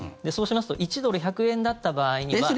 そうしますと１ドル＝１００円だった場合には。